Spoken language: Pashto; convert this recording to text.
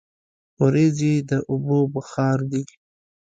وریځې د اوبو بخار دي.